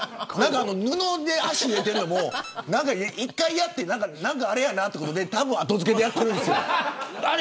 布に足入れているのも１回やって何かあれやなって後付けでやってるんですよ。